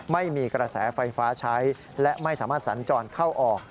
ไม่มีกระแสไฟฟ้าใช้และไม่สามารถสัญจรเข้าออก